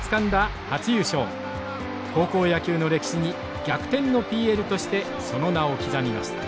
高校野球の歴史に逆転のＰＬとしてその名を刻みました。